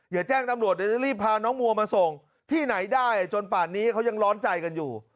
แจ้งตำรวจเดี๋ยวจะรีบพาน้องมัวมาส่งที่ไหนได้จนป่านนี้เขายังร้อนใจกันอยู่